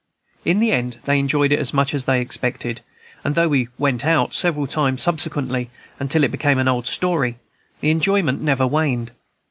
In the end they enjoyed it as much as they expected, and though we "went out" several times subsequently, until it became an old story, the enjoyment never waned.